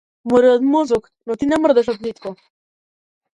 Море од мозок но ти не мрдаш од плитко.